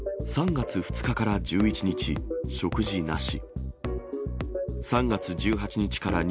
３月１８日から２４日、食事なし。